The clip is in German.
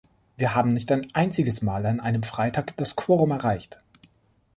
Wir haben nicht ein einziges Mal an einem Freitag das Quorum erreicht.